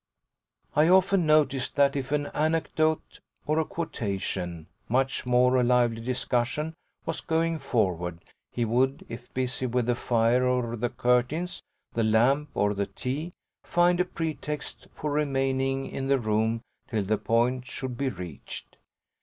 I often noticed that if an anecdote or a quotation, much more a lively discussion, was going forward, he would, if busy with the fire or the curtains, the lamp or the tea, find a pretext for remaining in the room till the point should be reached.